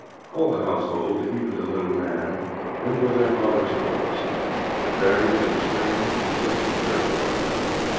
All the household, even to little Nan, went with their father's corpse, to bury it in the strange and distant churchyard.